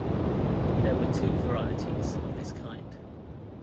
There were two varieties of this kind.